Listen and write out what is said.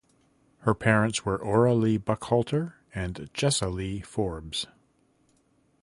Her parents were Ora Lee Buckhalter and Jesse Lee Forbes.